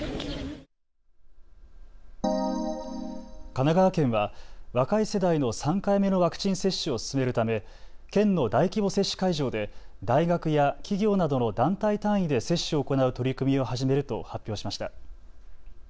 神奈川県は若い世代の３回目のワクチン接種を進めるため県の大規模接種会場で大学や企業などの団体単位で接種を行う取り組みを始めると発表しました。